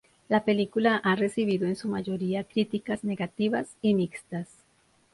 La película ha recibido en su mayoría críticas negativas y mixtas.